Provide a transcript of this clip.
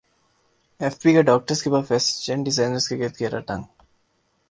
F B کا doctors کے بعد فیشن ڈیزائنرز کے گرد گھیرا تنگ